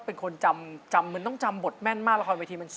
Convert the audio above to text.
โอ้ทำไมครับ